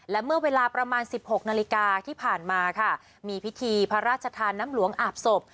และเมื่อเวลาประมาณ๑๖นาฬิกาที่ผ่านมาค่ะมีพิธีพระราชทานน้ำหลวงอาบศพ